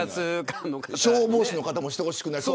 消防士の方もしてほしくない。